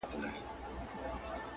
اوس رخصت ياست مراسم پای ته رسېږي